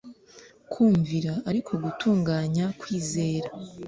kumvira ariko gutunganya kwizera.